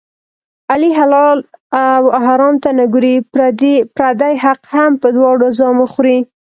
علي حلال او حرام ته نه ګوري، پردی حق هم په دواړو زامو خوري.